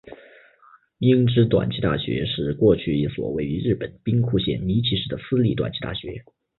英知短期大学是过去一所位于日本兵库县尼崎市的私立短期大学。